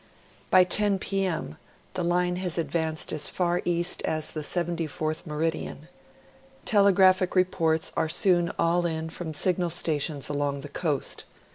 By 10 P. M. the line has advanced as far east as the 74th meridian. Telegraphic reports are soon all in from signal stations along the coast.